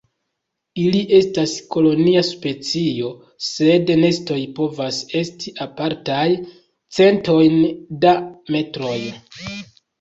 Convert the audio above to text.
Ili estas kolonia specio, sed nestoj povas esti apartaj centojn da metroj.